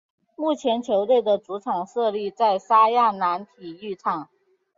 目前球队的主场设立在莎亚南体育场。